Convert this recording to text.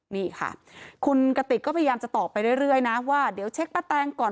นี่ค่ะคุณกติกก็พยายามจะตอบไปเรื่อยนะว่าเดี๋ยวเช็คป้าแตงก่อน